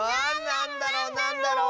なんだろ？